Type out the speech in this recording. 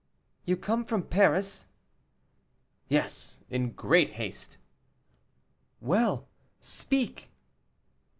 "You come from Paris?" "Yes, in great haste." "Well, speak."